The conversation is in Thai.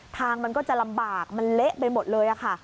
มันก็จะลำบากมันเละไปหมดเลยค่ะ